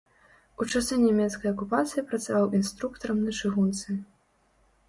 У часы нямецкай акупацыі працаваў інструктарам на чыгунцы.